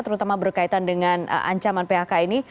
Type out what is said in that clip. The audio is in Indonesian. terutama berkaitan dengan ancaman phk ini